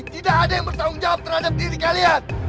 tidak ada yang bertanggung jawab terhadap diri kalian